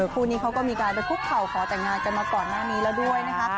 คู่นี้เขาก็มีการไปคุกเข่าขอแต่งงานกันมาก่อนหน้านี้แล้วด้วยนะคะ